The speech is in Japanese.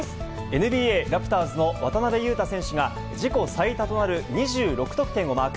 ＮＢＡ・ラプターズの渡邊雄太選手が、自己最多となる２６得点をマーク。